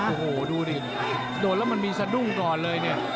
โอ้โหดูดิโดนแล้วมันมีสะดุ้งก่อนเลยเนี่ย